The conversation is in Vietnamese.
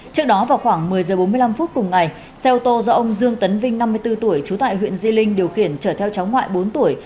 trước đó vào khoảng một mươi h bốn mươi năm phút cùng ngày xe ô tô do ông dương tấn vinh năm mươi bốn tuổi trú tại huyện di linh điều khiển chở theo cháu ngoại bốn tuổi